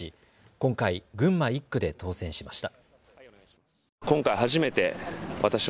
今回、群馬１区で当選しました。